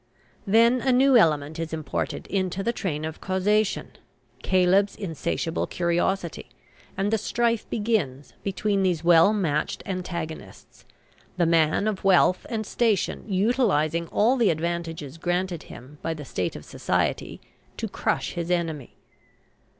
Then a new element is imported into the train of causation, Caleb's insatiable curiosity, and the strife begins between these well matched antagonists, the man of wealth and station utilizing all the advantages granted him by the state of society to crush his enemy.